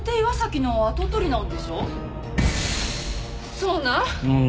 そうなん？